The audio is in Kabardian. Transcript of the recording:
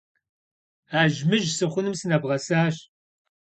Ажьмыжь сыхъуным сынэбгъэсащ.